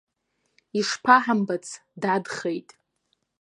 Ишԥаҳамбац, дадхеит!